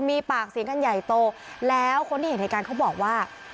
มีปากเสียงกันใหญ่โตแล้วคนที่เห็นเหตุการณ์เขาบอกว่า